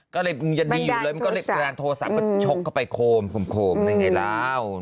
ก็เลยลีดที่เปอดาลโทษัมก็ได้โดยที่ไปโคมอย่างเนี่ยแล้ว